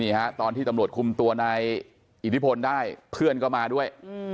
ฮะตอนที่ตำรวจคุมตัวนายอิทธิพลได้เพื่อนก็มาด้วย